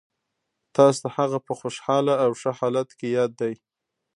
تاسو ته هغه په خوشحاله او ښه حالت کې یاد دی